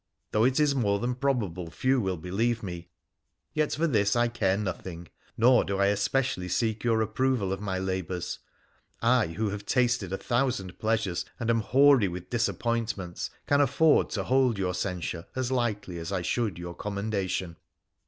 Though it is more than probable few will believe me, yet for this I care nothing, nor do I especially seek your approval of my labours. I, who have tasted a thousand pleasures and am hoary with disappointments, can afford to hold your censure as lightly as I should your commendation.